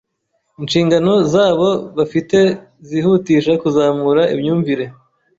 inshingano zabo bafi te zihutisha kuzamura imyumvire,